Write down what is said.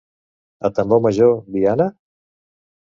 A tambor major, diana?